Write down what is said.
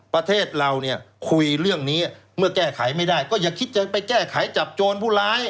ประเทศเราเนี่ยคุยเรื่องนี้เมื่อแก้ไขไม่ได้ก็อย่าคิดจะไปแก้ไขจับโจรผู้ร้าย